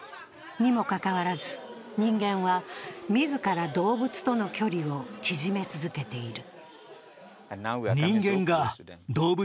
にもかかわらず、人間は自ら動物との距離を縮め続けている。